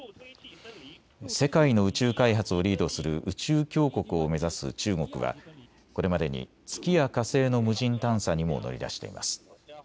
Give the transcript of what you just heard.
世界の宇宙開発をリードする宇宙強国を目指す中国はこれまでに月や火星の無人探査にも乗り出しています。